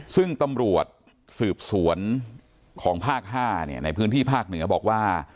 ซึ่งตำรวจสืบสวนของภาค๕ในพื้นที่ภาคเหนือบอกว่า